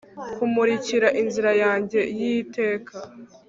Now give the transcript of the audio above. Kumurikira inzira yanjye yiteka